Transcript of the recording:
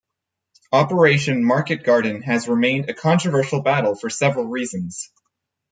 Operation Market Garden has remained a controversial battle for several reasons.